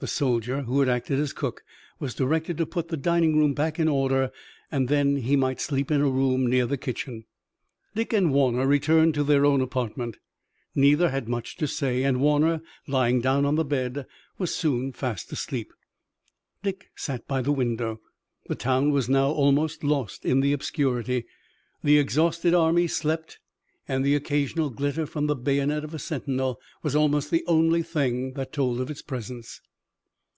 The soldier who had acted as cook was directed to put the dining room back in order and then he might sleep in a room near the kitchen. Dick and Warner returned to their own apartment. Neither had much to say, and Warner, lying down on the bed, was soon fast asleep. Dick sat by the window. The town was now almost lost in the obscurity. The exhausted army slept, and the occasional glitter from the bayonet of a sentinel was almost the only thing that told of its presence.